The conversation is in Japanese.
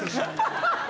ハハハ！